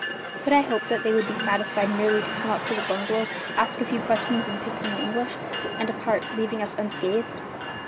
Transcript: Could I hope that they would be satisfied merely to come up to the bungalow, ask a few questions in pidgin English, and depart, leaving us unscathed?